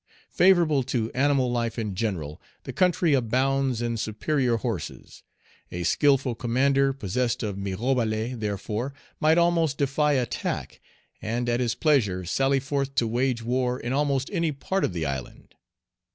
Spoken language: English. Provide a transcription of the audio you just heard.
Favorable to animal life in general, the country abounds in superior horses. A skilful commander, possessed of Mirebalais, therefore, might almost defy attack, and at his pleasure sally forth to wage war in almost any part of the island.